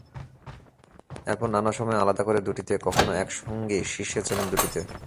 এরপর নানা সময়ে আলাদা করে দুটিতে, কখনো একসঙ্গেই শীর্ষে ছিলেন দুটিতে।